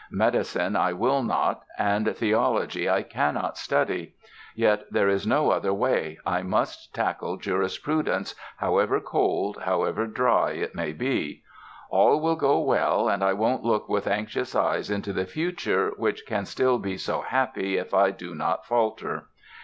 Medicine I will not and theology I cannot study.... Yet there is no other way. I must tackle jurisprudence, however cold, however dry it may be.... All will go well and I won't look with anxious eyes into the future which can still be so happy if I do not falter".